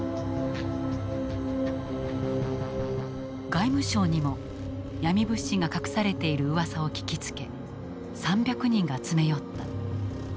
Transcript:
外務省にもヤミ物資が隠されている噂を聞きつけ３００人が詰め寄った。